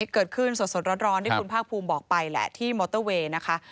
เกิดขึ้นสดร้อนที่คุณภาคภูมิบอกไปแหละที่มอเตอร์เวย์นะคะ